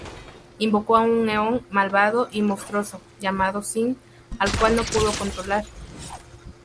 Invocó a un eón malvado y monstruoso, llamado Sinh, al cual no pudo controlar.